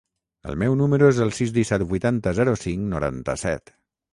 El meu número es el sis, disset, vuitanta, zero, cinc, noranta-set.